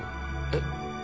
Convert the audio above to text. えっ？